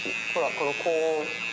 この高音。